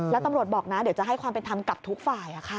แล้วตำรวจบอกนะเดี๋ยวจะให้ความเป็นธรรมกับทุกฝ่าย